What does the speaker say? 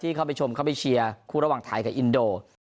เข้าไปชมเข้าไปเชียร์คู่ระหว่างไทยกับอินโด